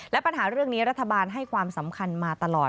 และปัญหาเรื่องนี้รัฐบาลให้ความสำคัญมาตลอด